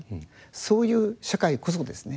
そういう社会こそですね